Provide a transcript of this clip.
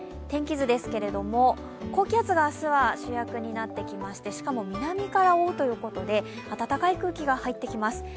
天気図ですけども、高気圧が明日は主役になってきましてしかも南から追うということで暖かい空気が入ってきます。